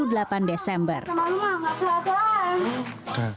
sama sama nggak kesalahan